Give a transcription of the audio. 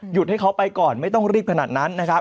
ให้เขาไปก่อนไม่ต้องรีบขนาดนั้นนะครับ